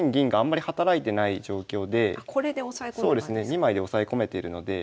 ２枚で押さえ込めてるので。